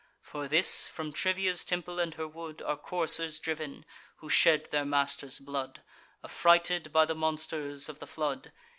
For this, from Trivia's temple and her wood Are coursers driv'n, who shed their master's blood, Affrighted by the monsters of the flood.